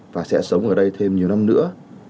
và sẽ sống ở đây thêm nhiều năm nữa